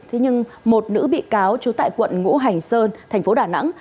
thế nhưng một nữ bị cáo trú tại quận ngũ hành sơn thành phố đà nẵng